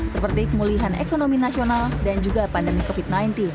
seperti pemulihan ekonomi nasional dan juga pandemi covid sembilan belas